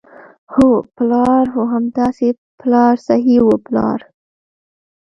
هو، پلار، هو همداسې پلار صحیح وو، پلار.